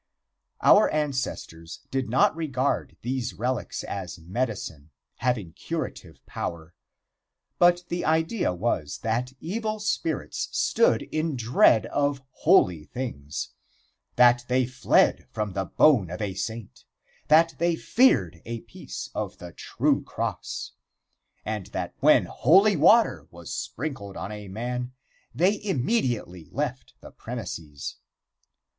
Our ancestors did not regard these relics as medicine, having a curative power, but the idea was that evil spirits stood in dread of holy things that they fled from the bone of a saint, that they feared a piece of the true cross, and that when holy water was sprinkled on a man they immediately left the premises.